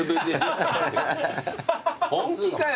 本気かよ。